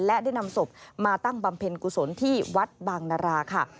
และได้นำศพมาตั้งบำเพ็ญกุศลที่วัดบางนาราค่ะ